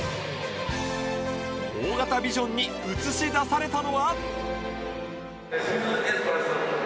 大型ビジョンに映し出されたのは